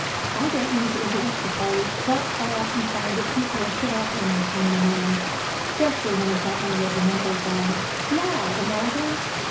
I don't mean to interrupt the party; but I often find that people are put out by my coming among 'em, especially when I've got my regimentals on.' 'La! and are they?'